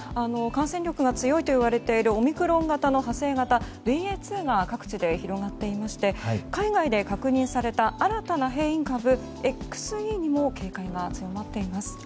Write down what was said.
感染力が強いといわれているオミクロン型の派生型ＢＡ．２が各地で広がっていまして海外で確認された新たな変異株ＸＥにも警戒が強まっています。